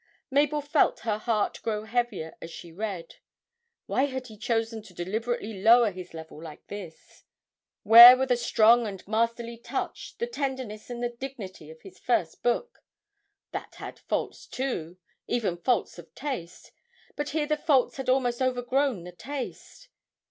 Mabel felt her heart grow heavier as she read. Why had he chosen to deliberately lower his level like this? Where were the strong and masterly touch, the tenderness and the dignity of his first book? That had faults, too, even faults of taste but here the faults had almost overgrown the taste!